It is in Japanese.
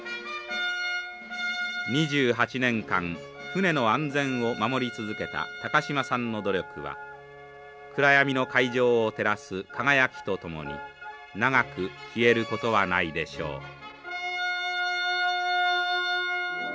２８年間船の安全を守り続けたタカシマさんの努力は暗闇の海上を照らす輝きとともに長く消えることはないでしょう。